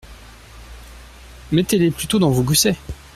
Mettez-les plutôt dans vos goussets.